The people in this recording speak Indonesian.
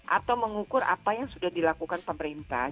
atau mengukur apa yang sudah dilakukan pemerintah